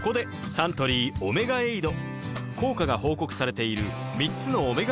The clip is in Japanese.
サントリー「オメガエイド」